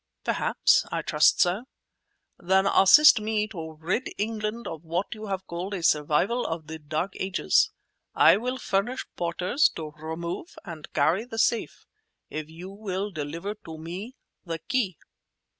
"Perhaps; I trust so." "Then assist me to rid England of what you have called a survival of the dark ages. I will furnish porters to remove and carry the safe, if you will deliver to me the key!"